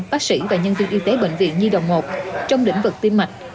bác sĩ và nhân viên y tế bệnh viện nhi động một tp hcm trong đỉnh vực tiêm mạch